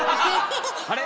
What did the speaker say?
あれ？